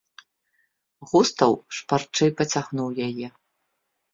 Густаў шпарчэй пацягнуў яе.